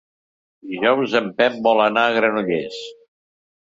Dijous en Pep vol anar a Granollers.